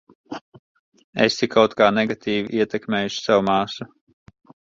Esi kaut kā negatīvi ietekmējusi savu māsu.